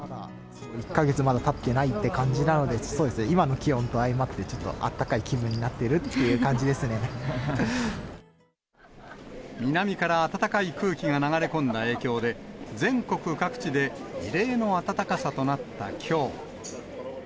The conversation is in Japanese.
１か月まだたってないってぐらいの感じなんで、そうですね、今の気温と相まって、ちょっとあったかい気分になっているってい南から暖かい空気が流れ込んだ影響で、全国各地で異例の暖かさとなったきょう。